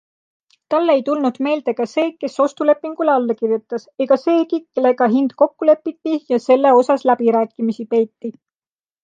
Talle ei tulnud meelde ka see, kes ostulepingule alla kirjutas ega seegi, kellega hind kokku lepiti ja selle osas läbirääkimisi peeti.